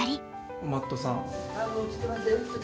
おまっとさん。